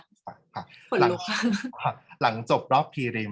กากตัวทำอะไรบ้างอยู่ตรงนี้คนเดียว